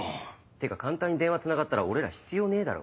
てか簡単に電話つながったら俺ら必要ねえだろ。